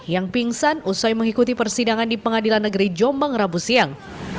yang pingsan usai mengikuti persidangan di pengadilan negeri jombang rabu siang